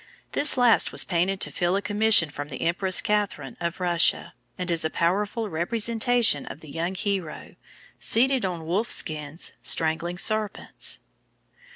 This last was painted to fill a commission from the Empress Catherine of Russia, and is a powerful representation of the young hero, seated on wolf skins, strangling serpents.